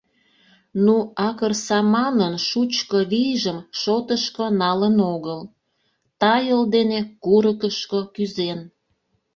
Ну, акырсаманын шучко вийжым шотышко налын огыл, тайыл дене курыкышко кӱзен.